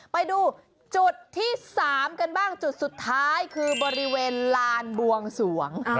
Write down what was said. ไปดูจุดที่๓กันบ้างจุดสุดท้ายคือบริเวณลานบวงสวง